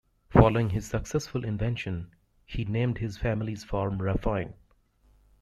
Following his successful invention, he named his family's farm Raphine.